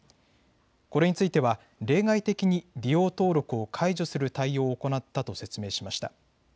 これについては例外的に利用登録を解除する対応を行ったと説明しました。